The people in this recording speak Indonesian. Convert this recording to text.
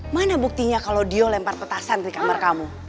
mana buktinya kalau dio lempar petasan di kamar kamu